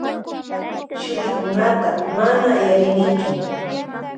Shutikunata mana yarinichu.